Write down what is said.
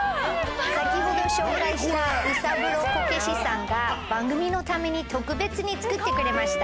先ほど紹介した卯三郎こけしさんが番組のために特別に作ってくれました。